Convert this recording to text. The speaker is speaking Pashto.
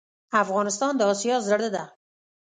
افغانستان د آسیا زړه ده.